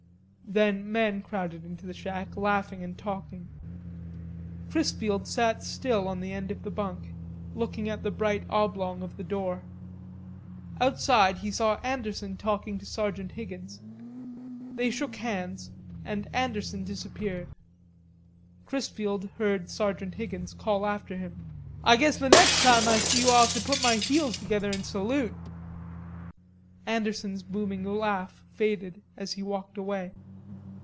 Then men crowded into the shack, laughing and talking. Chrisfield sat still on the end of the bunk, looking at the bright oblong of the door. Outside he saw Anderson talking to Sergeant Higgins. They shook hands, and Anderson disappeared. Chrisfield heard Sergeant Higgins call after him. "I guess the next time I see you I'll have to put my heels together an' salute." Andersen's booming laugh faded as he walked away.